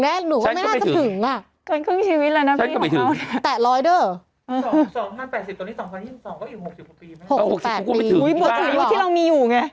บวกถึงว่าที่เรามีอยู่ไง